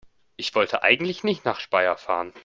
Ich wollte eigentlich nicht nach Speyer fahren